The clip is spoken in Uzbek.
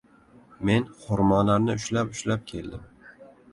Men xurmolarni ushlab-ushlab keldim.